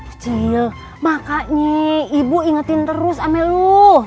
acil makanya ibu ingetin terus ama lo